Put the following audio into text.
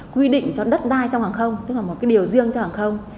quy định cho đất đai trong hàng không tức là một cái điều riêng cho hàng không